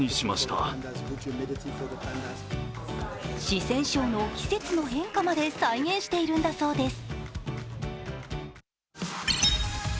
四川省の季節の変化まで再現しているんだそうです。